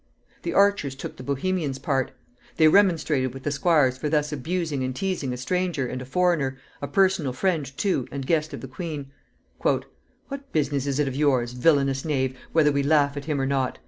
The archers took the Bohemian's part. They remonstrated with the squires for thus abusing and teasing a stranger and a foreigner, a personal friend, too, and guest of the queen. "What business is it of yours, villainous knave, whether we laugh at him or not?"